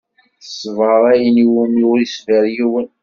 Teṣber ayen i wumi ur yeṣbir yiwen.